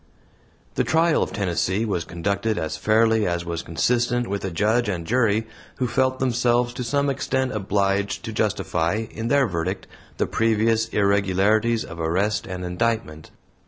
The trial of Tennessee was conducted as fairly as was consistent with a judge and jury who felt themselves to some extent obliged to justify, in their verdict, the previous irregularities of arrest and indictment.